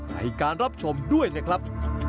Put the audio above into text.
ในการรับชมด้วยนะครับ